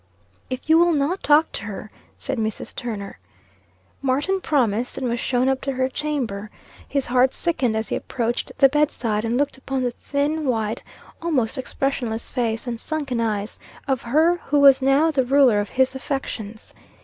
"If you will not talk to her," said Mrs. Turner. Martin promised, and was shown up to her chamber. His heart sickened as he approached the bed side, and looked upon the thin, white, almost expressionless face, and sunken eye, of her who was now the ruler of his affections.